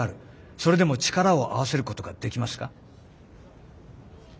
それでも力を合わせることができますか？